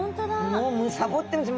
もうむさぼってるんです。